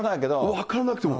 分からなくても。